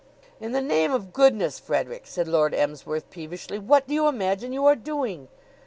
"In the name of goodness, Frederick," said Lord Emsworth peevishly, "what do you imagine you are doing?"